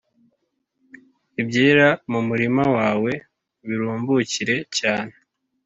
ibyera mu murima wawe birumbukire cyane